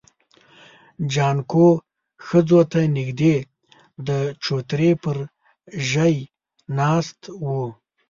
جانکو ښځو ته نږدې د چوترې پر ژی ناست و.